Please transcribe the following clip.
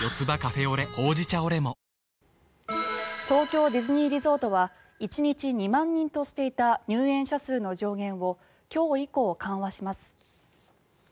東京ディズニーリゾートは１日２万人としていた入園者数の上限を今日以降、緩和します。